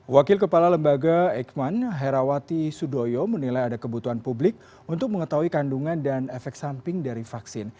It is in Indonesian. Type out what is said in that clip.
wakil kepala lembaga eijkman herawati sudoyo menilai ada kebutuhan publik untuk mengetahui kandungan dan efek samping dari vaksin